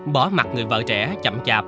bỏ mặt người vợ trẻ chậm chạp